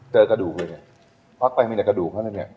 เจอกระดูกเลยเนี่ยควักไปมีแต่กระดูกเขาเลยเนี่ย